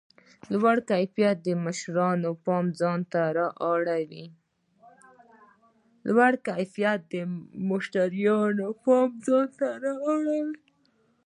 لوړ کیفیت د مشتری پام ځان ته رااړوي.